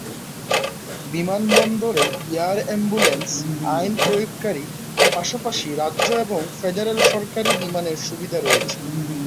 বিমানবন্দরে air ambulance, আইন প্রয়োগকারী, পাশাপাশি রাজ্য এবং ফেডারেল সরকারী বিমানের সুবিধা রয়েছে।